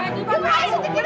iy suntikin tidur